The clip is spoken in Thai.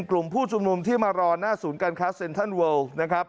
กลุ่มผู้ชุมนุมที่มารอหน้าศูนย์การค้าเซ็นทรัลเวิลนะครับ